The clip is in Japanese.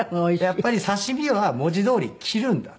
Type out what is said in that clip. やっぱり刺し身は文字どおり切るんだ。